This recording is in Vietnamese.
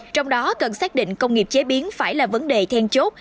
trong đó cần xác định công nghiệp chế biến phải là vấn đề then chốt